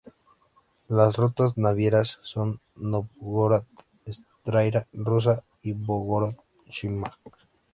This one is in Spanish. Las rutas navieras son Nóvgorod–Stáraya Russa y Nóvgorod–Shimsk.